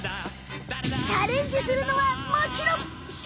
チャレンジするのはもちろんしょうま！